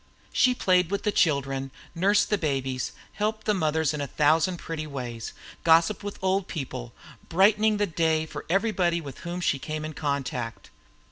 She played with the children, nursed the babies, helped the mothers in a thousand pretty ways, gossiped with old people, brightening the day for everybody with whom she came in contact.